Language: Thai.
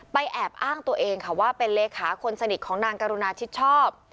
แอบอ้างตัวเองค่ะว่าเป็นเลขาคนสนิทของนางกรุณาชิดชอบ